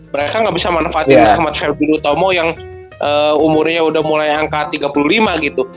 mereka nggak bisa manfaatin rahmat verdi utomo yang umurnya udah mulai angka tiga puluh lima gitu